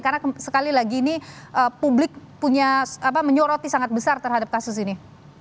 karena sekali lagi ini publik punya menyuroti sangat besar terhadap kasus ini